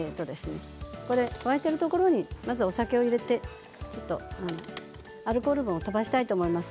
沸いているところにお酒を入れてアルコール分を飛ばしたいと思います。